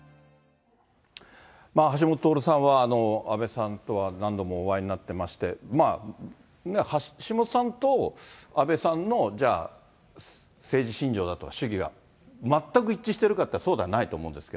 橋下徹さんは、安倍さんとは何度もお会いになってまして、橋下さんと安倍さんのじゃあ、政治信条だとか、主義がまったく一致してるかっていうとそうではないと思うんです